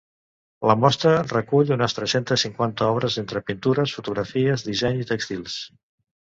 La mostra recull unes tres-centes cinquanta obres entre pintures, fotografies, disseny i tèxtils.